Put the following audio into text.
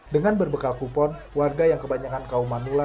dengan berbekal kupon warga yang kebanyakan kaum manula